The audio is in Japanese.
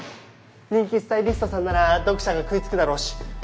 人気スタイリストさんなら読者が食いつくだろうし。